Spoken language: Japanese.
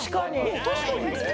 確かに。